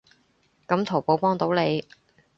噉淘寶幫到你